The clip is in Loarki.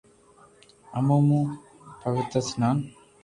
اومون پوتير سنان -